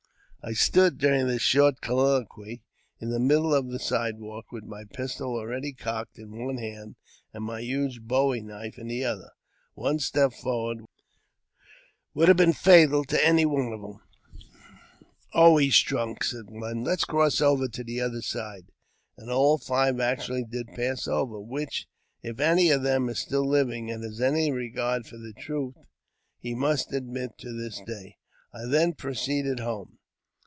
I stood during this short colloquy in the middle of the side walk, with my pistol ready cocked in one hand and my huge bowie knife in the other ; one step forward would have been fatal to any one of them. Oh, he's drunk," said one ;" let's cross over to the other side." And all five actually did pass over, which, if any of them is still living and has any regard for truth, he must admit to this day. I then proceeded home.